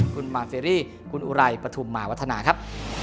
คุณมานเฟรี่คุณอุไรปฐุมมาวัฒนาครับ